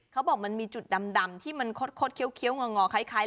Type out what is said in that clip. เขาบอกมันมีจุดดำที่มันคดเคี้ยวงอคล้าย